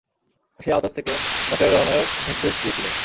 সে আওতাস থেকে মক্কায় রওনার নির্দেশ দিয়েছিল।